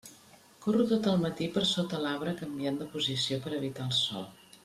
Corro tot el matí per sota l'arbre canviant de posició per evitar el sol.